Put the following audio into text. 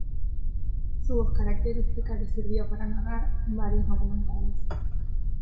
Su voz característica le sirvió para narrar varios documentales.